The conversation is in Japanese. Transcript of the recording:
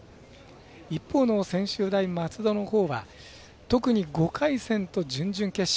一方の専修大松戸のほうは特に５回戦と準々決勝。